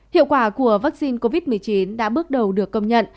hiệu quả của vaccine covid một mươi chín đã bước đầu được công nhận